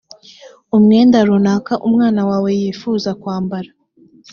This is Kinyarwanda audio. umwenda runaka umwana wawe yifuza kwambara